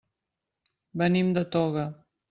Venim de Toga.